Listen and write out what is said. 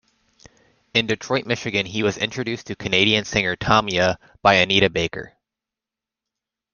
In Detroit, Michigan, he was introduced to Canadian singer Tamia by Anita Baker.